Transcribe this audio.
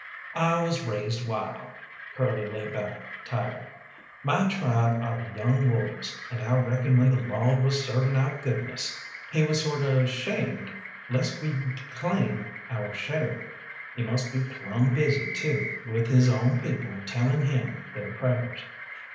"I was raised wild" Curly lay back tired "my tribe are the young wolves, and I reckon when the Lawd was serving out goodness, He was sort of 'shamed lest we'd claim our share. He must be plumb busy, too, with His own people telling Him they'r prayers.